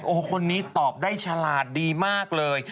โอ้โหคนนี้ตอบได้ฉลาดดีมากเลย